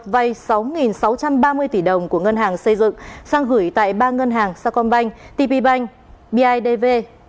vay sáu sáu trăm ba mươi tỷ đồng của ngân hàng xây dựng sang gửi tại ba ngân hàng sao con banh tp banh bidv